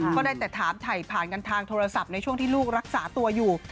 ก็ได้แต่ถามถ่ายผ่านกันทางโทรศัพท์ในช่วงที่ลูกรักษาตัวอยู่